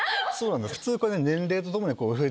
普通。